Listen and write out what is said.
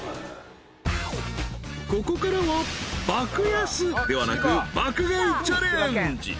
［ここからは爆安ではなく爆買いチャレンジ］